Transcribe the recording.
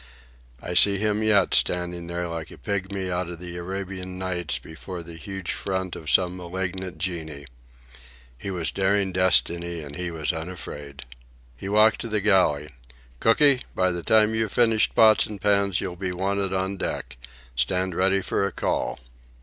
I see him yet standing there like a pigmy out of the Arabian Nights before the huge front of some malignant genie. He was daring destiny, and he was unafraid. He walked to the galley. "Cooky, by the time you've finished pots and pans you'll be wanted on deck. Stand ready for a call."